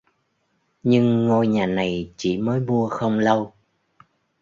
nhưng ngôi nhà này chị mới mua không lâu